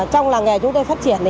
trong làng nghề chúng tôi phát triển